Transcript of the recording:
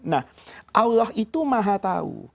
nah allah itu maha tahu